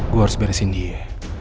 gue harus beresin dia